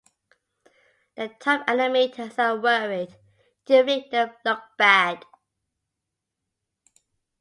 The top animators are worried you'll make them look bad.